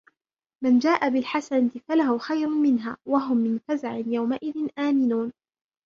مَنْ جَاءَ بِالْحَسَنَةِ فَلَهُ خَيْرٌ مِنْهَا وَهُمْ مِنْ فَزَعٍ يَوْمَئِذٍ آمِنُونَ